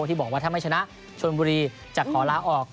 ที่บอกว่าถ้าไม่ชนะชนบุรีจะขอลาออก